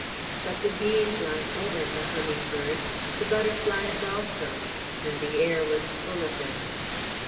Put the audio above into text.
But the bees liked it, and the humming birds, the butterflies also; and the air was full of them.